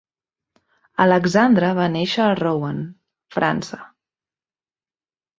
Alexandre va néixer a Rouen, França.